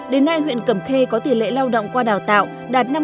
đến nay huyện cầm khê có tỷ lệ lao động qua đào tạo đạt năm mươi